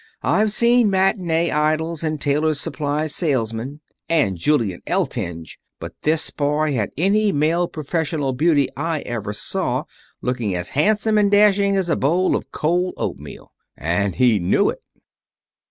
"I've seen matinee idols, and tailors' supplies salesmen, and Julian Eltinge, but this boy had any male professional beauty I ever saw, looking as handsome and dashing as a bowl of cold oatmeal. And he knew it."